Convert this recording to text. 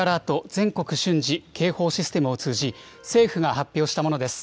・全国瞬時警報システムを通じ、政府が発表したものです。